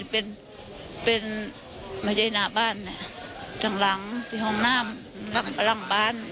เหมาจะอยู่คู่ที่ห้องน้ำตรงนอก